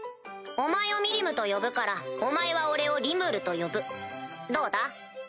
お前を「ミリム」と呼ぶからお前は俺を「リムル」と呼ぶどうだ？